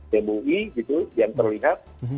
tbi gitu yang terlihat